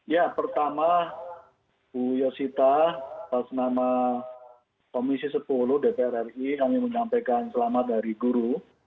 ya pertama bu yosita atas nama komisi sepuluh dpr ri kami menyampaikan selamat dari guru